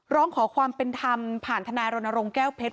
ร้องขอความเป็นธรรมผ่านทนายรณรงค์แก้วเพชร